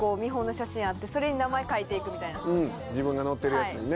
自分が載ってるやつにね。